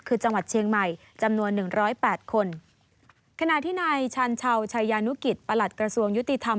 คือจังหวัดเชียงใหม่จำนวน๑๐๘คน